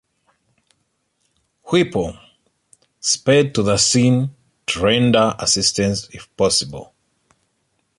"Whipple" sped to the scene to render assistance if possible.